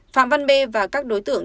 phạm văn b và các đối tượng